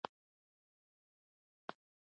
سیالي کیفیت لوړوي.